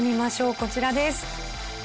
こちらです。